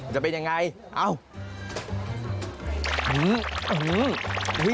จะเป็นอย่างไร